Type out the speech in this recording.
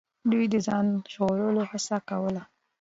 دوی د ځان ژغورلو هڅه کوله.